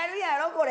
これ。